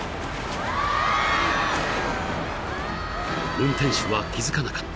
［運転手は気付かなかった］